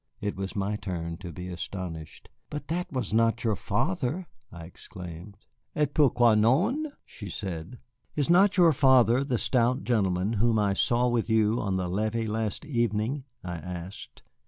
It was my turn to be astonished. "But that was not your father!" I exclaimed. "Et pourquoi non?" she said. "Is not your father the stout gentleman whom I saw with you on the levee last evening?" I asked.